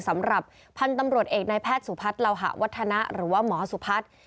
สำหรับพันธุ์ตำรวจเอกนายแพทย์สุพัฒน์เหล่าหะวัฒนะหรือว่าหมอสุพัฒน์